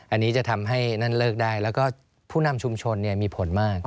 อันนี้จะทำให้นั่นเลิกได้แล้วก็ผู้นำชุมชนมีผลมาก